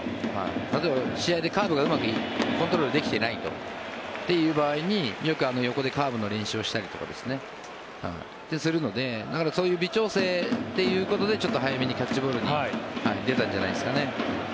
例えば、試合でカーブがうまくコントロールできていない時によく、横でカーブの練習をしたりするのでそういう微調整っていうところで早めにキャッチボールに出たんじゃないですかね。